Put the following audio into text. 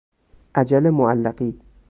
اجل معلقی